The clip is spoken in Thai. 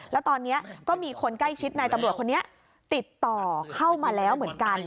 แล้วตอนนี้ก็มีคนใกล้ชิดนายตำรวจคนนี้ติดต่อเข้ามาแล้วเหมือนกัน